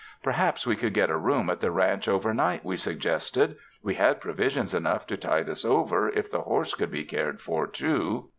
Perhaps we could get a room at the ranch overnight, we suggested — we had provisions enough to tide us over, if the horse could be cared for, too.